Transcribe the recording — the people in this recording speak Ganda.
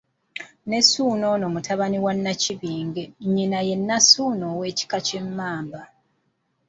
NE Ssuuna ono mutabani wa Nnakibinge, nnyina ye Nassuuna ow'ekika ky'Emmamba.